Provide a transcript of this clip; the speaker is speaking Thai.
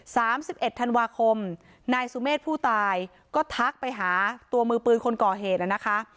สามสิบเอ็ดธันวาคมนายสุเมฆผู้ตายก็ทักไปหาตัวมือปืนคนก่อเหตุอ่ะนะคะ